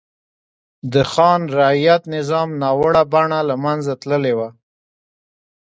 د خان رعیت نظام ناوړه بڼه له منځه تللې وه.